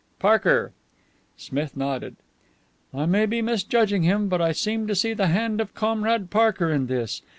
"Parker!" Smith nodded. "I may be misjudging him, but I seem to see the hand of Comrade Parker in this.